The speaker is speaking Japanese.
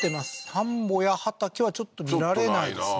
田んぼや畑はちょっと見られないですね